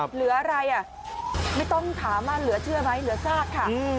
เหลืออะไรอ่ะไม่ต้องถามว่าเหลือเชื่อไหมเหลือซากค่ะ